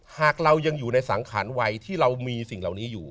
หากเรายังอยู่ในสังขารวัยที่เรามีสิ่งเหล่านี้อยู่